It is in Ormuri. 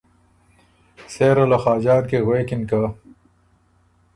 سېره له خاجان کی غوېکِن که